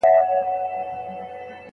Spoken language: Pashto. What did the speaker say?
استاد د شاګرد مخالفت په ورین تندي ومانه.